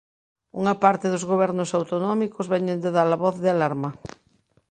Unha parte dos Gobernos autonómicos veñen de dar a voz de alarma.